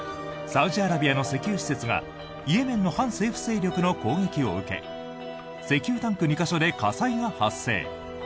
サウジアラビアの石油施設がイエメンの反政府勢力の攻撃を受け石油タンク２か所で火災が発生。